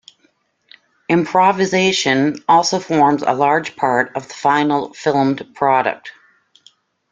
Improvisation also forms a large part of the final filmed product.